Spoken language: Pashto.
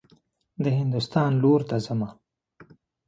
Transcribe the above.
د هندوستان لور ته حمه.